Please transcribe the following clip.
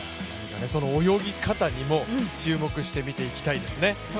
その泳ぎ方にも注目して見ていきたいですね。